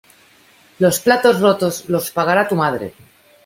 Los platos rotos los pagará tu madre.